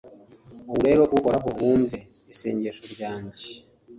Ubu rero Uhoraho wumve isengesho ryanjye